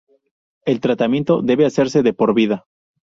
El tratamiento debe hacerse de por vida.